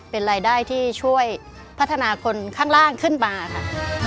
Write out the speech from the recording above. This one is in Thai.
เป็นรายได้ที่ช่วยพัฒนาคนข้างล่างขึ้นมาค่ะ